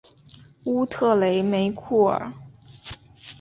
乌特雷梅库尔。